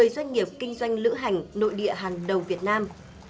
một mươi doanh nghiệp kinh doanh lữ hành nội địa hàng đầu việt nam